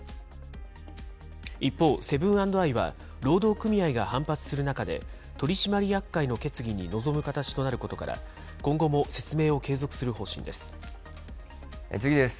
一方、セブン＆アイは、労働組合が反発する中で、取締役会の決議に臨む形となることから、次です。